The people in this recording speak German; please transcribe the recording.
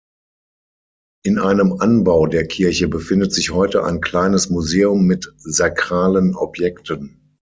In einem Anbau der Kirche befindet sich heute ein kleines Museum mit sakralen Objekten.